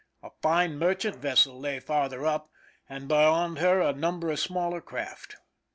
A fine merchant vessel lay farther up, and beyond her a number of smaller craft.